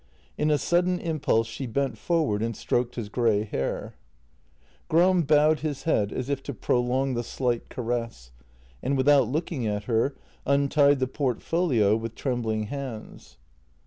In a sudden impulse she bent forward and stroked his grey hair. Gram bowed his head as if to prolong the slight caress — and without looking at her, untied the portfolio with trembling hands.